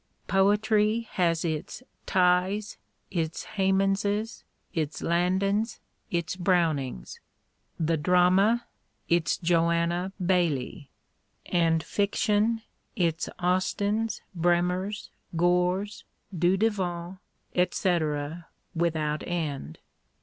Poetry has its Tighes, its Hemanses, its Landons, its Brownings; the drama its Joanna Baillie; and fiction its Austens, Bremers, Gores, Dudevants, &c., without end.